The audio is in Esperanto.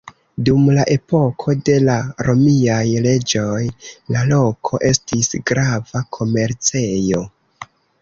Dum la epoko de la romiaj reĝoj la loko estis grava komercejo.